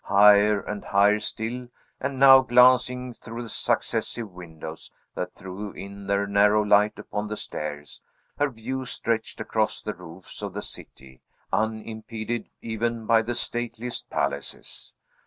Higher, and higher still; and now, glancing through the successive windows that threw in their narrow light upon the stairs, her view stretched across the roofs of the city, unimpeded even by the stateliest palaces.